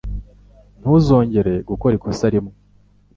Ntuzongere gukora ikosa rimwe.